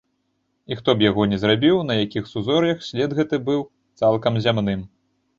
І хто б яго не зрабіў, на якіх сузор'ях, след гэты быў цалкам зямным.